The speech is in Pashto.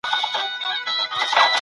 په څېړنه کي د هري خبري ثبوت اړین دی.